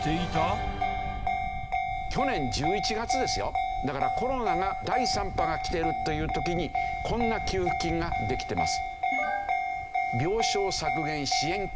実はだからコロナが第３波がきてるという時にこんな給付金ができてます。